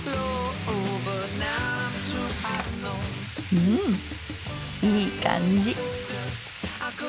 うんいい感じ。